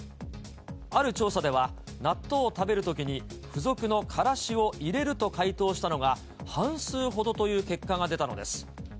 ある調査では、納豆を食べるときに付属のカラシを入れると回答したのが、半数ほどという結果が出たのです。